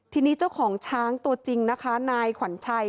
ทีนี้เจ้าของช้างตัวจริงนะคะนายขวัญชัย